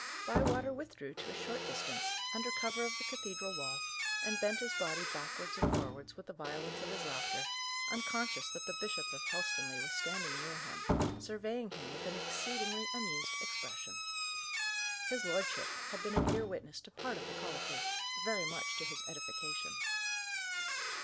Bywater withdrew to a short distance, under cover of the cathedral wall, and bent his body backwards and forwards with the violence of his laughter, unconscious that the Bishop of Helstonleigh was standing near him, surveying him with an exceedingly amused expression. His lordship had been an ear witness to part of the colloquy, very much to his edification.